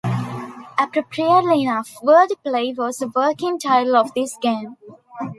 Appropriately enough, "Wordplay" was the working title of this game.